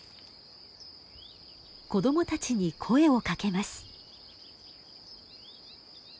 子供たちに声をかけます。